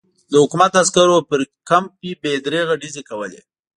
د حکومت عسکرو پر کمپ بې دریغه ډزې کولې.